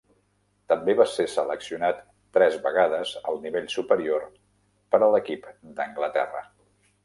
També va ser seleccionat tres vegades al nivell superior per a l'equip d'Anglaterra.